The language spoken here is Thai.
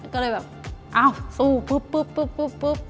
ก็เลยแบบเอ้าสู้ปุ๊บ